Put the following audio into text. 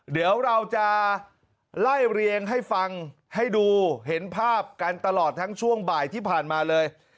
เดี๋ยวเราจะไล่เรียงให้ฟังให้ดูเห็นภาพกันตลอดทั้งช่วงบ่ายที่ผ่านมาเลย